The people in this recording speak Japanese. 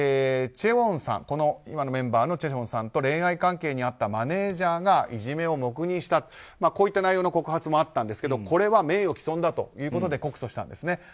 これは今のメンバーのチェウォンさんと恋愛関係にあったマネジャーがいじめを黙認したといった内容の告発もあったんですがこれは名誉毀損だということで告訴したんですね。